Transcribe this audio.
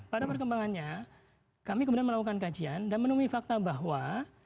pada perkembangannya kami kemudian melakukan kajian dan menemui fakta bahwa